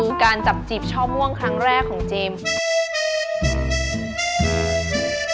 คือการจับจีบช่อม่วงครั้งแรกของเจมส์